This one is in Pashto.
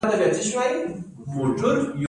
سپین غر لمنې ښکلې دي؟